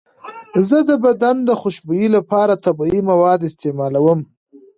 زه د بدن د خوشبویۍ لپاره طبیعي مواد استعمالوم.